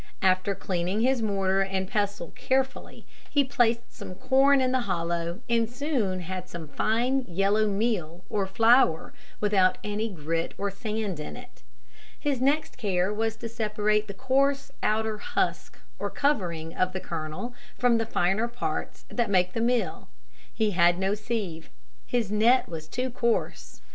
After cleaning his mortar and pestle carefully he placed some corn in the hollow and soon had some fine yellow meal or flour without any grit or sand in it. His next care was to separate the coarse outer husk or covering of the kernel from the finer parts that make the meal. He had no sieve. His net was too coarse.